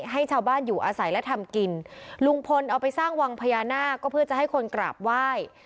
ให้ชาวบ้านอยู่อาศัยและทำกินลุงพลเอาไปสร้างวังพญานาคก็เพื่อจะให้คนกราบไหว้